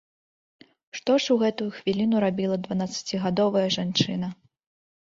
Што ж у гэтую хвіліну рабіла дванаццацігадовая жанчына?